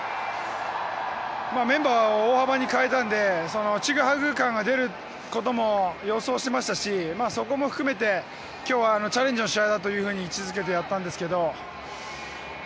メンバーを大幅に変えたのでちぐはぐ感が出ることも予想していましたしそこも含めて今日はチャレンジの試合だと位置づけてやったんですけど。